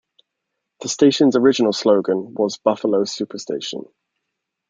The station's original slogan was "Buffalo's Superstation".